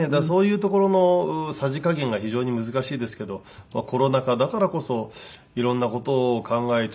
そういうところのさじ加減が非常に難しいですけどコロナ禍だからこそいろんな事を考え